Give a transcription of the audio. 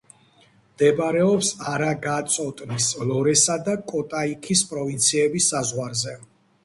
მდებარეობს არაგაწოტნის, ლორესა და კოტაიქის პროვინციების საზღვარზე.